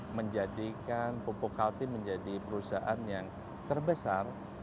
apa yang sudah dipimpin oleh pupuk kalti menjadi perusahaan yang terbesar